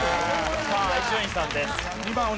さあ伊集院さんです。